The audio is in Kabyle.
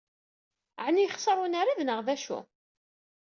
Ɛni yexṣer unarad neɣ d acu?